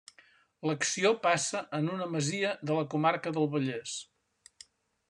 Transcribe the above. L'acció passa en una masia de la comarca del Vallès.